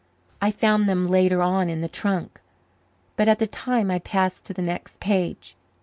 I found them later on in the trunk, but at the time I passed to the next page.